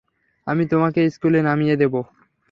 আমি তোমাকে স্কুলে নামিয়ে দেব।